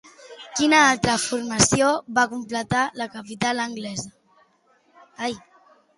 Quina altra formació va completar a la capital anglesa?